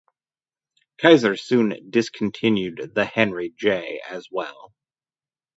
Kaiser soon discontinued the Henry J as well.